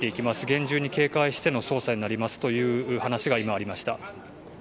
厳重に警戒しての捜査になりますという話が、今ありました。